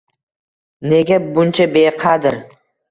Nega buncha beqadr?